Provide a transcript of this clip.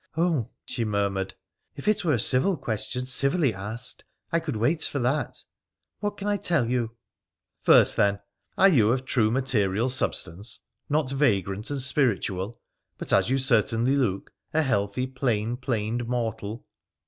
' Oh !' she murmured, ' if it were a civil question civilly asked, I could wait for that. What can I tell you ?'' First then, are you of true material substance, not vagrant and spiritual, but, as you certainly look, a healthy plain planed mortal